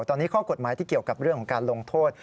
ตอนนี้ข้อกฎหมายที่เกี่ยวกับเรื่องของการลงโทษ